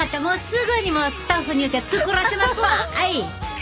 すぐにもうスタッフに言うて作らせますわはい。